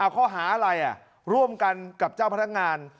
ข้อหาอะไรร่วมกันกับเจ้าพนักงาน